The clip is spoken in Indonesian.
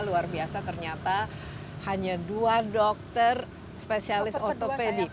luar biasa ternyata hanya dua dokter spesialis otopedi